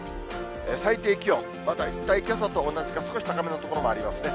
最低気温、大体けさと同じか、少し高めの所もありますね。